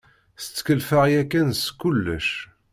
Setkelfeɣ yakan s kullec.